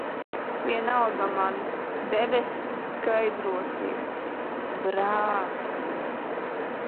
Vienalga man, debess skaidrosies, brāzmas.